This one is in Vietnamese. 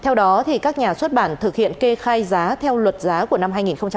theo đó các nhà xuất bản thực hiện kê khai giá theo luật giá của năm hai nghìn hai mươi